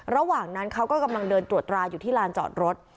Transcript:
ระหว่างนั้นเขาก็กำลังเดินตรวจตราอยู่ที่ลานจอดรถ